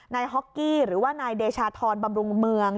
ฮอกกี้หรือว่านายเดชาธรบำรุงเมือง